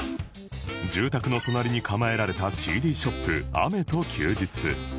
住宅の隣に構えられた ＣＤ ショップ雨と休日